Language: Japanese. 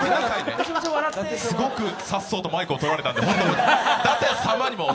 すごくさっそうとマイクを取られた。